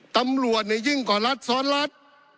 ตำรวจยิ่งกว่ารัฐซ้อนรัฐ